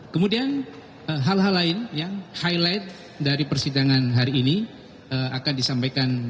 kemudian hal hal lain yang highlight dari persidangan hari ini akan disampaikan